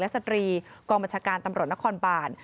เด็กและสตรีกรมจากรรมชาการนครบ้าน